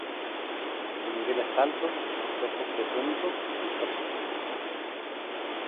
En niveles altos, los cuerpos cetónicos son tóxicos.